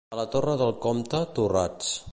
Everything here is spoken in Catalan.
A la Torre del Comte, torrats.